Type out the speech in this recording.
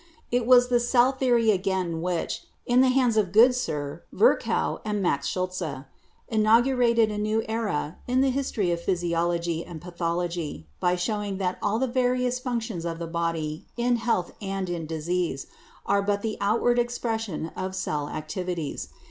It was the cell theory again which, in the hands of Goodsir, Virchow and Max Schultze, inaugurated a new era in the history of physiology and pathology, by showing that all the various functions of the body, in health and in disease, are but the outward expression of cell activities.